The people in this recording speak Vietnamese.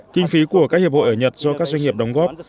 kinh phí của các hiệp hội ở nhật do các doanh nghiệp đóng góp